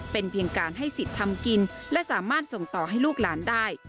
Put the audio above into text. เป็นเพียงการให้สิทธิ์ทำกินและสามารถส่งต่อให้ลูกหลานได้